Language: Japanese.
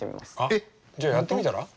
えっじゃあやってみたら？